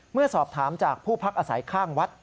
เมื่อสอบถามจากผู้พักอาศัยข้างวัด